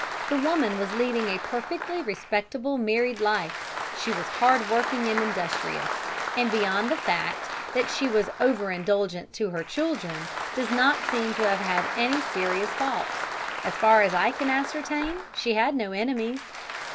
"The woman was leading a perfectly respectable married life; she was hard working and industrious, and beyond the fact that she was over indulgent to her children, does not seem to have had any serious faults. As far as I can ascertain she had no enemies."